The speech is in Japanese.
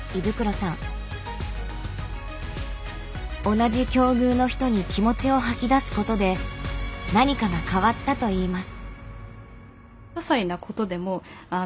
同じ境遇の人に気持ちを吐き出すことで何かが変わったといいます。